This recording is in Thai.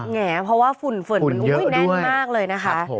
แหงเพราะว่าฝุ่นมันแน่นมากเลยนะคะ